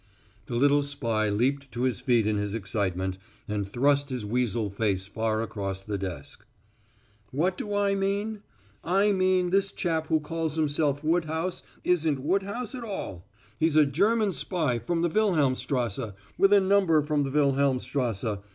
The little spy leaped to his feet in his excitement and thrust his weasel face far across the desk. "What do I mean? I mean this chap who calls himself Woodhouse isn't Woodhouse at all. He's a German spy from the Wilhelmstrasse with a number from the Wilhelmstrasse!